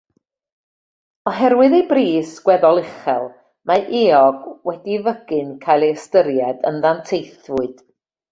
Oherwydd ei bris gweddol uchel, mae eog wedi'i fygu'n cael ei ystyried yn ddanteithfwyd.